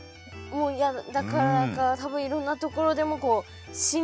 もうやだだからか多分いろんなところでもそうね。